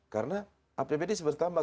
karena apbd sepertambah